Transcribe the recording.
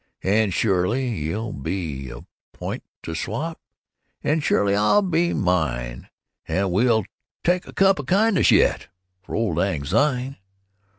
And surely ye'll be your pint stowp, And surely I'll be mine; And we'll tak a cup o' kindness yet For auld lang syne!